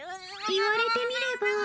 言われてみれば。